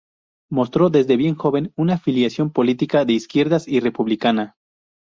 Mostró desde bien joven una filiación política de izquierdas y republicana.